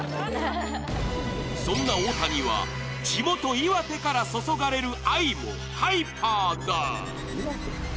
そんな大谷は、地元・岩手から注がれる愛もハイパーだ。